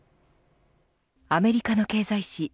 アメリカの経済誌